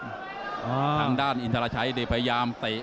ทางด้านอินทรชัยพยายามเตะ